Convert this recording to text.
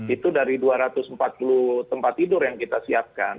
itu dari dua ratus empat puluh tempat tidur yang kita siapkan